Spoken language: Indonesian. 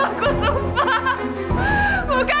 riko aku sumpah